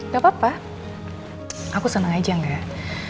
gak apa apa aku seneng aja nggak